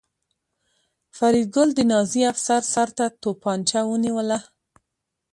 فریدګل د نازي افسر سر ته توپانچه ونیوله